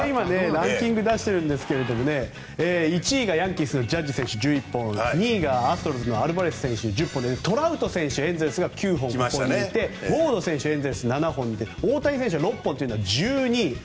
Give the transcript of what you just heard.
ランキングを出していますが１位がヤンキースのジャッジ選手、１１本２位がアストロズのアルバレス選手が１０本でトラウト選手が９本でエンゼルス７本で大谷選手が６本は１２位。